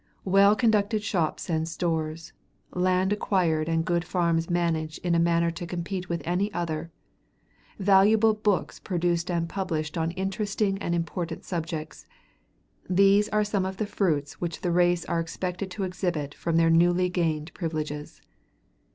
Well conducted shops and stores; lands acquired and good farms managed in a manner to compete with any other; valuable books produced and published on interesting and important subjects these are some of the fruits which the race are expected to exhibit from their newly gained privileges.